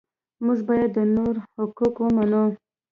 موږ باید د نورو حقوق ومنو.